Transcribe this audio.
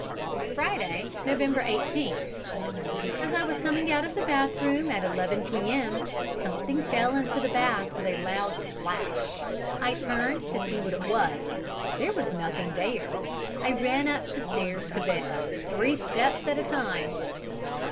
"Friday, November 18th. As I was coming out of the bathroom at 11 p.m. something fell into the bath with a loud splash. I turned to see what it was there was nothing there. I ran up the stairs to bed, three steps at a time!